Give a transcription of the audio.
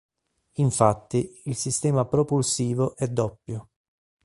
Infatti, il sistema propulsivo è “doppio”.